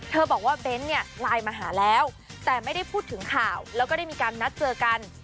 บอกว่าเบ้นเนี่ยไลน์มาหาแล้วแต่ไม่ได้พูดถึงข่าวแล้วก็ได้มีการนัดเจอกัน